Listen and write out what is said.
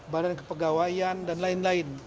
badan kepegawaian dan lain lain